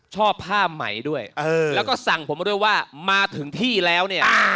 ผ้าไหมด้วยแล้วก็สั่งผมมาด้วยว่ามาถึงที่แล้วเนี่ย